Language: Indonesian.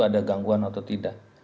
ada gangguan atau tidak